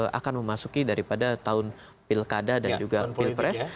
dan juga akan memasuki daripada tahun pilkada dan juga pilpres